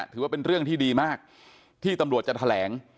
ถือว่าเป็นเรื่องที่ดีมากที่ตำรวจจะแถลง